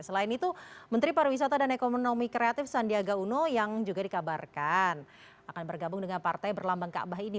selain itu menteri pariwisata dan ekonomi kreatif sandiaga uno yang juga dikabarkan akan bergabung dengan partai berlambang kaabah ini